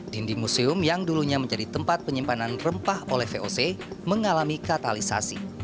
dinding museum yang dulunya menjadi tempat penyimpanan rempah oleh voc mengalami katalisasi